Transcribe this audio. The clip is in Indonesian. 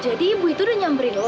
jadi ibu itu udah nyamperin lo